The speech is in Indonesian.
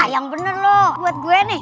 ah yang bener lo buat gue nih